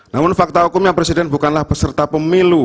namun fakta hukumnya presiden bukanlah peserta pemilu